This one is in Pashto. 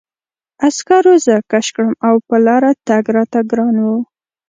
عسکرو زه کش کړم او په لاره تګ راته ګران و